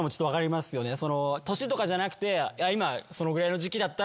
年とかじゃなくて今。